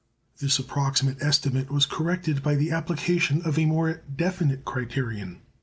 This approximate estimate was corrected by the application of a more definite criterion.